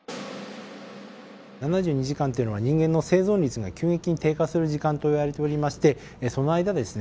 ７２時間というのは人間の生存率が急激に低下する時間といわれておりましてその間ですね